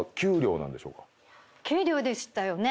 給料でしたよね。